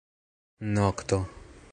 nokto